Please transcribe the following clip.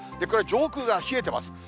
これ、上空が冷えてます。